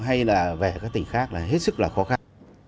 hay là về các tỉnh khác là hết sức là khó khăn